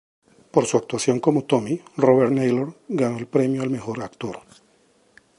Por su actuación como Tommy, Robert Naylor ganó el premio al mejor actor.